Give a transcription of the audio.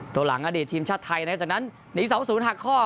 ตัวหลังอดีตทีมชาตญ์จากนั้นหนีเสาศูนย์หักคอ